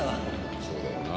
そうだよな。